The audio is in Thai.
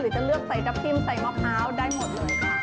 หรือจะเลือกใส่ทับชิ้นใส่ละพร้าวได้หมดเลยค่ะ